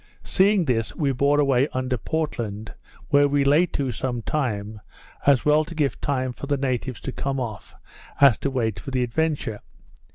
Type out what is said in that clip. Seeing this, we bore away under Portland, where we lay to some time, as well to give time for the natives to come off, as to wait for the Adventure.